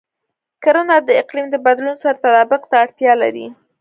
کرنه د اقلیم د بدلون سره تطابق ته اړتیا لري.